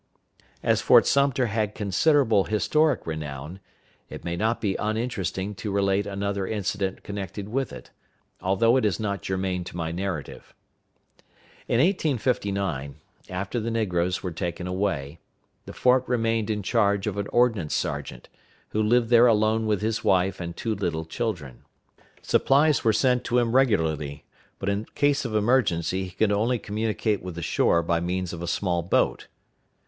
As Fort Sumter has considerable historic renown, it may not be uninteresting to relate another incident connected with it, although it is not germane to my narrative. In 1859, after the negroes were taken away, the fort remained in charge of an ordnance sergeant, who lived there alone with his wife and two little children. Supplies were sent to him regularly, but in case of emergency he could only communicate with the shore by means of a small boat.